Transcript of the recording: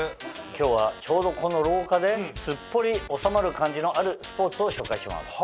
今日はちょうどこの廊下ですっぽり収まる感じのあるスポーツを紹介します。